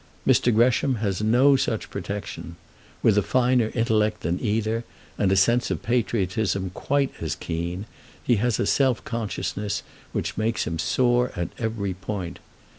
Mr. Gresham has no such protection. With a finer intellect than either, and a sense of patriotism quite as keen, he has a self consciousness which makes him sore at every point.